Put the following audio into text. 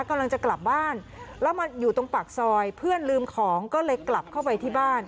กำลังจะกลับบ้านแล้วมาอยู่ตรงปากซอยเพื่อนลืมของก็เลยกลับเข้าไปที่บ้าน